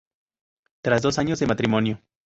Tras dos años de matrimonio.